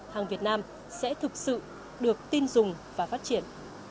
hàng việt nam sẽ thực sự được tin dùng và phát triển